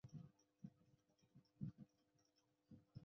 区燕青是一名香港女演员。